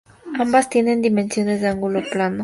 Ambas tienen dimensiones de ángulo plano.